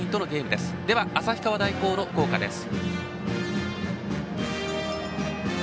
では、旭川大高の校歌です。